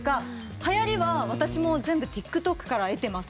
はやりは、私も全部ＴｉｋＴｏｋから得てます。